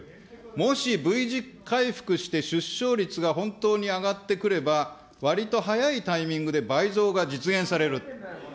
もしＶ字回復して出生率が本当に上がってくれば、わりと早いタイミングで倍増が実現される。